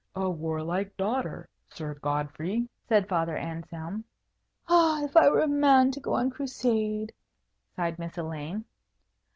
"A warlike daughter, Sir Godfrey!" said Father Anselm. "Ah, if I were a man to go on a Crusade!" sighed Miss Elaine.